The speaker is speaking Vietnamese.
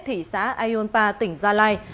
thị xã aionpa tỉnh gia lai